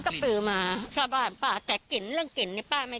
เขาขายมานานหรือยังคะ